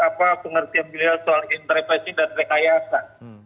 apa pengertian beliau soal intervensi dan rekayasa